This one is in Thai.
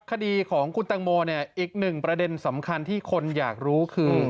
คดีของคุณตังโมเนี่ยอีกหนึ่งประเด็นสำคัญที่คนอยากรู้คือ